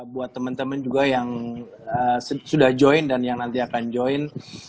buat teman teman juga yang sudah join dan yang nanti akan join